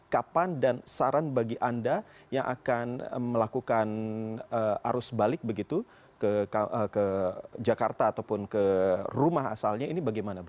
kapan dan saran bagi anda yang akan melakukan arus balik begitu ke jakarta ataupun ke rumah asalnya ini bagaimana bu